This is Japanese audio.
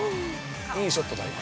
いいショットだ、今。